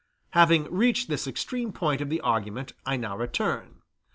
Having reached this extreme point of the argument, I now return.